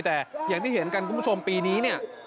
แต่อย่างที่เห็นกันคุณผู้ชมปีนี้เนี่ย